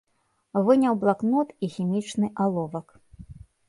Выняў блакнот і хімічны аловак.